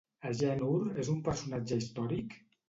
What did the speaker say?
Agènor és un personatge històric?